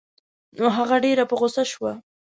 نو هغه ډېره په غوسه شوه.